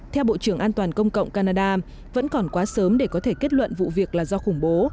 theo bộ trưởng an toàn công cộng canada vẫn còn quá sớm để có thể kết luận vụ việc là do khủng bố